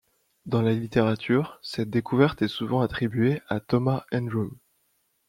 Dans la littérature, cette découverte est souvent attribuée à Thomas Andrews.